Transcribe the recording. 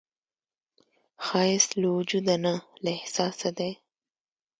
ښایست له وجوده نه، له احساسه دی